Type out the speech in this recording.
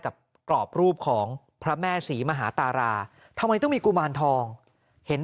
กรอบรูปของพระแม่ศรีมหาตาราทำไมต้องมีกุมารทองเห็น